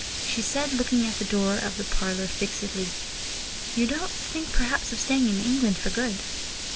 She said, looking at the door of the parlour fixedly: "You don't think perhaps of staying in England for good?"